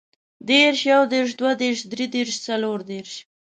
دېرش، يودېرش، دوهدېرش، دريدېرش، څلوردېرش